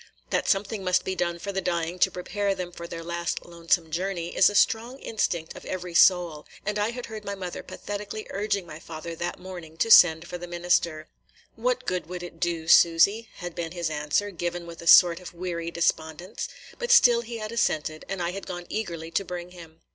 That something must be done for the dying to prepare them for their last lonesome journey is a strong instinct of every soul; and I had heard my mother pathetically urging my father that morning to send for the minister. "What good will it do, Susy?" had been his answer, given with a sort of weary despondence; but still he had assented, and I had gone eagerly to bring him.